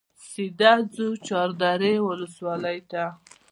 سیده ځو چاردرې ولسوالۍ ته.